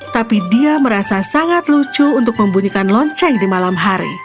tapi dia merasa sangat lucu untuk membunyikan lonceng di malam hari